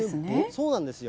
そうなんですよ。